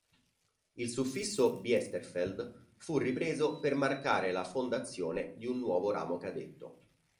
Il suffisso Biesterfeld fu ripreso per marcare la fondazione di un nuovo ramo cadetto.